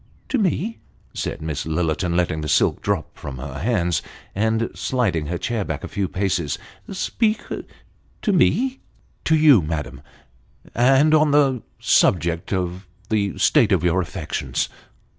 " To me !" said Miss Lillerton, letting the silk drop from her hands, and sliding her chair back a few paces. " Speak to me !"" To you, madam and on the subject of the state of your affections."